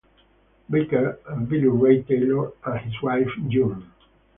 Baker, and Billy Ray Taylor and his wife June.